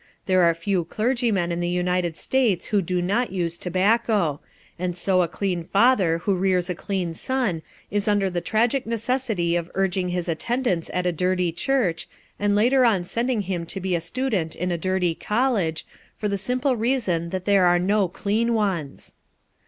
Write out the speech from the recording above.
There are few clergymen in the United States who do not use tobacco, and so a clean father who rears a clean son is under the tragic necessity of urging his attendance at a dirty church, and later on sending him to be a student in a dirty college, for the simple reason that there are no clean ones.